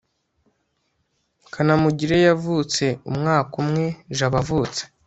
kanamugire yavutse umwaka umwe jabo avutse